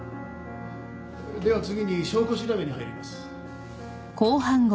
では次に証拠調べに入ります。